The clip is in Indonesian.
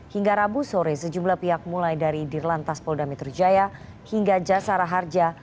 hingga rabu sore sejumlah pihak mulai dari dirlantas polda metro jaya hingga jasara harja